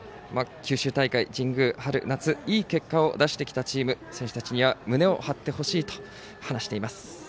九州大会、神宮、春、夏いい結果を出してきたチーム選手たちには胸を張ってほしいと話しています。